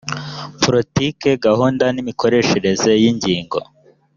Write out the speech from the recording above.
politiki gahunda n imikoreshereze y ingengo